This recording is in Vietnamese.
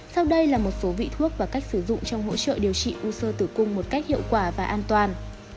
sau đây là một số vị thuốc và cách sử dụng trong hỗ trợ điều trị u sơ tử cung một cách hiệu quả và an toàn